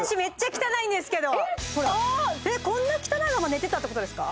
えっこんな汚いまま寝てたってことですか？